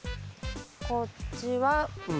こっちは。